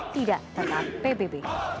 tidak tetap pbb